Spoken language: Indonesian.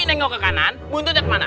nengok ke kanan buntutnya kemana